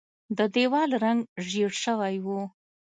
د دیوال رنګ ژیړ شوی و.